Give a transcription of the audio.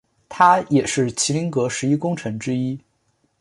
他也是麒麟阁十一功臣之一。